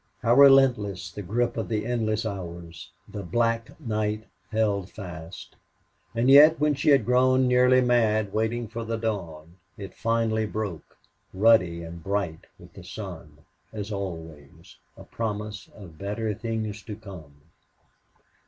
How relentless the grip of the endless hours! The black night held fast. And yet when she had grown nearly mad waiting for the dawn, it finally broke, ruddy and bright, with the sun, as always, a promise of better things to come.